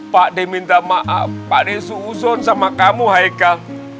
pak adek minta maaf pak adek susun sama kamu haikal